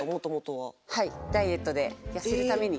はいダイエットで痩せるために。